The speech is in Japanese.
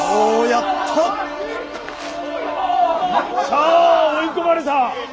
さあ追い込まれた。